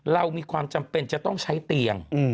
เรามีความจำเป็นจะต้องใช้เตียง